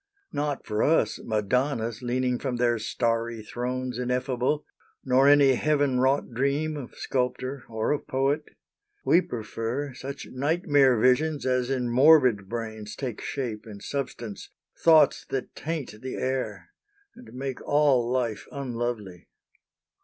Not for us Madonnas leaning from their starry thrones Ineffable, nor any heaven wrought dream Of sculptor or of poet; we prefer Such nightmare visions as in morbid brains Take shape and substance, thoughts that taint the air And make all life unlovely.